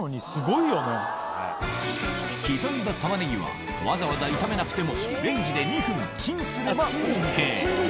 刻んだタマネギはわざわざ炒めなくてもレンジで２分チンすればＯＫ